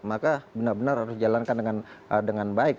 maka benar benar harus dijalankan dengan baik